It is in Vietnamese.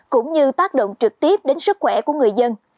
cũng như tác động trực tiếp đến sức khỏe của người dân